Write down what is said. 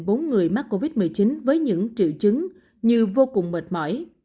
bốn người mắc covid một mươi chín với những triệu chứng như vô cùng mệt mỏi